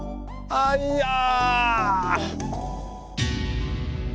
アイヤー！